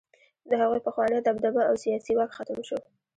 د هغوی پخوانۍ دبدبه او سیاسي واک ختم شو.